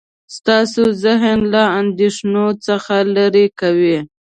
ستاسو ذهن له اندیښنو څخه لرې کوي.